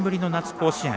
甲子園。